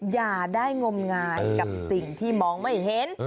อย่าได้งมงายกับสิ่งที่มองไม่เห็น